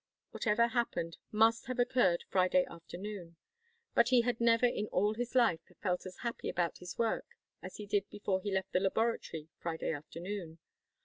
Whatever happened must have occurred Friday afternoon. But he had never in all his life felt as happy about his work as he did before he left the laboratory Friday afternoon.